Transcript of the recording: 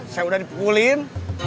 saya udah dipukulin